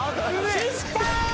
失敗！